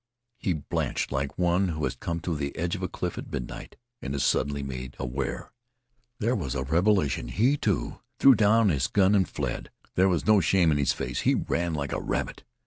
He blanched like one who has come to the edge of a cliff at midnight and is suddenly made aware. There was a revelation. He, too, threw down his gun and fled. There was no shame in his face. He ran like a rabbit.